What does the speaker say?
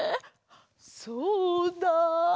そうだ。